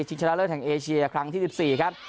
ชนะเลิศแห่งเอเชียครั้งที่๑๔ครับ